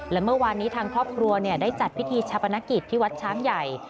และเมื่อวานนี้ทางครอบครัวได้จัดพิธีชาปนกิจที่วัดช้างใหญ่